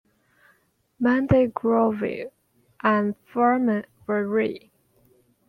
Meddy Gerville and Firmin Viry.